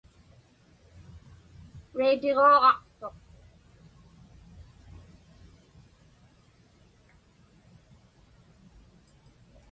Radio-ġaqtuq.